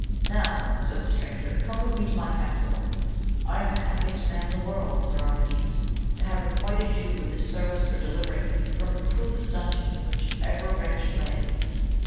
Now, said the stranger, come with me to my castle. I am the happiest man in the world. Sir Amadis, to have requited you with this service for delivering me from the cruellest dun geon in which ever wretch lay.